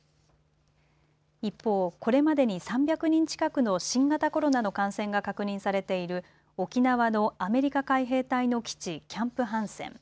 一方、これまでに３００人近くの新型コロナの感染が確認されている沖縄のアメリカ海兵隊の基地キャンプハンセン。